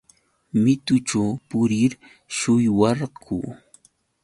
Mitućhu purir shullwarquu.